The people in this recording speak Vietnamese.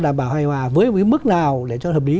đảm bảo hài hòa với mức nào để cho hợp lý